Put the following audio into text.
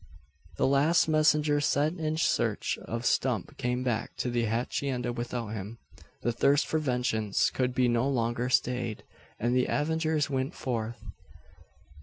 The last messenger sent in search of Stump came back to the hacienda without him. The thirst for vengeance could be no longer stayed, and the avengers went forth.